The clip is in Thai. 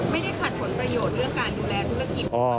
ไม่ได้ขัดผลประโยชน์เรื่องการดูแลธุรกิจ